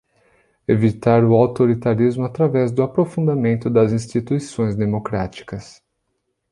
Evitar o autoritarismo através do aprofundamento das instituições democráticas